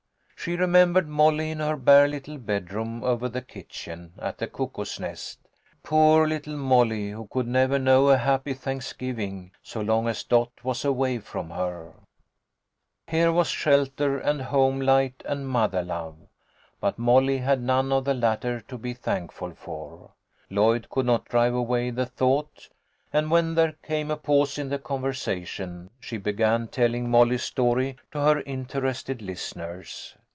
She remembered Molly in her bare little bedroom over the kitchen, at the Cuckoo's Nest. Poor little Molly, who could never know a happy Thanksgiving so long as Dot was away from her ! Here was shelter and home light and mother love, but Molly had none of the latter to be thankful for. Lloyd could not drive away the thought, and when there came a pause in the conversation she began telling Molly's story to her interested listeners.